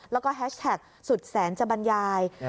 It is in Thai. แล้วก็แฮชแท็กสุดแสนจะบรรยาย